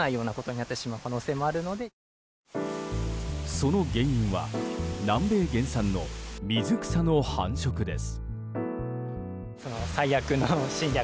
その原因は南米原産の水草の繁殖です。